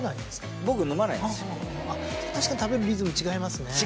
確かに食べるリズム違いますね。